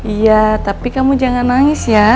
iya tapi kamu jangan nangis ya